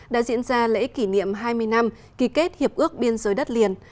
đã diễn ra lễ kỷ niệm hai mươi năm kỳ kết hiệp ước biên giới đất liền